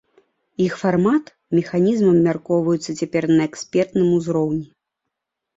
Іх фармат, механізм абмяркоўваюцца цяпер на экспертным узроўні.